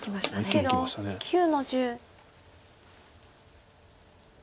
白９の十。